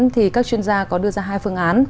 thì các chuyên gia có đưa ra hai phương án